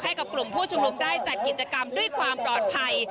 ให้กับกลุ่มผู้ชุมนุมได้จัดกิจกรรมด้วยความปลอดภัย